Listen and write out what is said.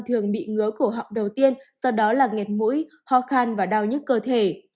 thường bị ngứa khổ họng đầu tiên sau đó là nghẹt mũi ho khăn và đau nhất cơ thể